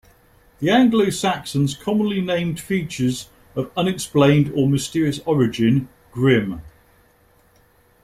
The Anglo Saxons commonly named features of unexplained or mysterious origin "Grim".